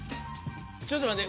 ちょっと待って。